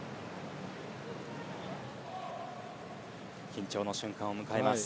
緊張の瞬間を迎えます。